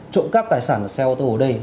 trộm cắp tài sản xe ô tô ở đây